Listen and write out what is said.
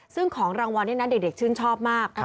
ซึ่งของรางวัลนี้นะเด็กชื่นชอบมาก